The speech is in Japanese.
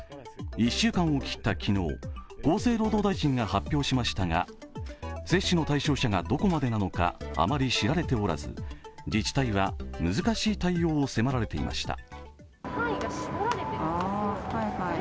１週間を切った昨日、厚生労働大臣が発表しましたが、接種の対象者がどこまでなのかあまり知られておらず自治体は難しい対応を迫られていました。